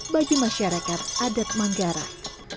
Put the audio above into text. bagi masyarakat adat manggarai